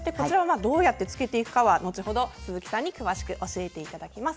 どうやってつけていくかは後ほど鈴木さんに詳しく教えていただきます。